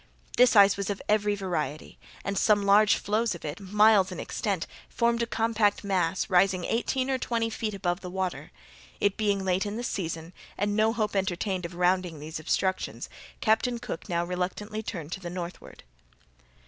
This ice was of every variety—and some large floes of it, miles in extent, formed a compact mass, rising eighteen or twenty feet above the water. It being late in the season, and no hope entertained of rounding these obstructions, Captain Cook now reluctantly turned to the northward.